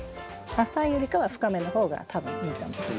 浅いよりかは深めの方が多分いいと思います。